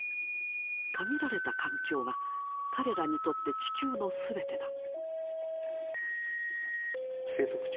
限られた環境が彼らにとって地球の全てだ。